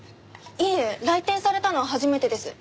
いえ来店されたのは初めてです。